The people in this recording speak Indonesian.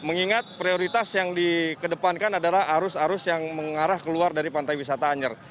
mengingat prioritas yang dikedepankan adalah arus arus yang mengarah keluar dari pantai wisata anyer